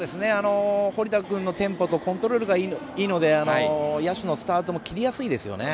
堀田君のテンポとコントロールがいいので野手のスタートも切りやすいですよね。